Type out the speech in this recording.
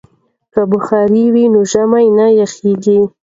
که بخارۍ وي نو ژمی نه یخیږي.